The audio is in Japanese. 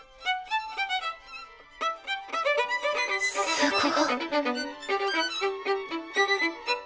すご。